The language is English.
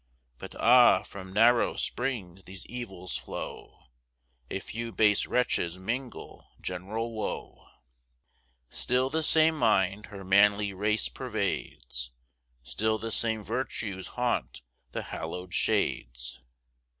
But ah! from narrow springs these evils flow, A few base wretches mingle general woe; Still the same mind her manly race pervades; Still the same virtues haunt the hallow'd shades.